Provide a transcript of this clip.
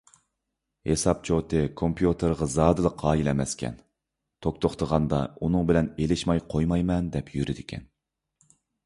ھېساب چوتى كومپيۇتېرغا زادىلا قايىل ئەمەسكەن، توك توختىغاندا ئۇنىڭ بىلەن ئېلىشماي قويمايمەن دەپ يۈرىدىكەن.